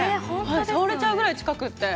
触れちゃうぐらい近くて。